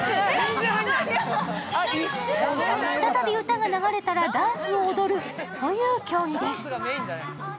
再び歌が流れたらダンスを踊るという競技です。